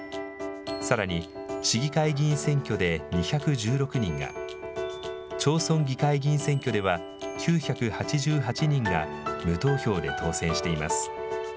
さらに市議会議員選挙で２１６人が、町村議会議員選挙では９８８人が無投票で当選しています。